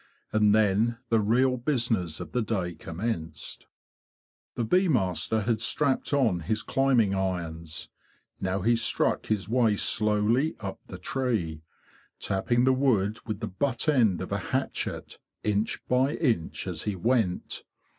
And then the real business of the day commenced. The bee master had strapped on his climbing irons. Now he struck his way slowly up the tree, tapping the wood with the butt end of a hatchet inch by inch as he went.